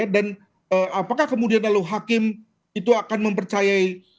dan apakah kemudian lalu hakim itu akan mempercayai